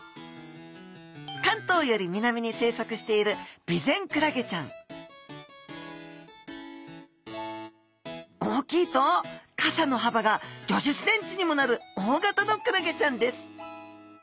関東より南に生息しているビゼンクラゲちゃん大きいと傘のはばが５０ｃｍにもなる大型のクラゲちゃんです。